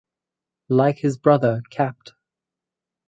Like his brother Capt.